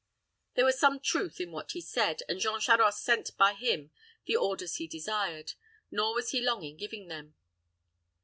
There was some truth in what he said; and Jean Charost sent by him the orders he desired, nor was he long in giving them.